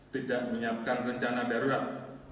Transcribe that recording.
tidak menyiapkan rencana darurat